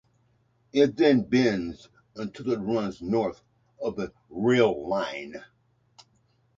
It then bends until it runs north of the rail line.